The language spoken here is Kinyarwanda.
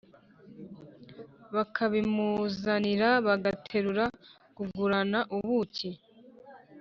bakabimuzanira bagatetura kugurana ubuki